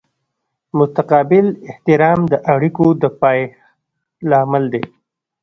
متقابل احترام د اړیکو د پایښت لامل دی.